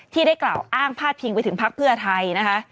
ที่ได้กล่าวอ้างพาดพิงไปถึงพักเพื่อไทยนะคะ